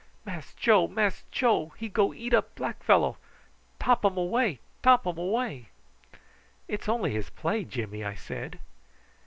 "Mass Joe, Mass Joe, he go eat up black fellow. Top um away, top um away." "It's only his play, Jimmy," I said.